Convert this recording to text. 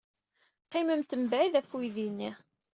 Qqimemt mebɛid ɣef uydi-nni.